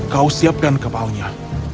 kau siapkan kepalanya